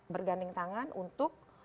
berganding tangan untuk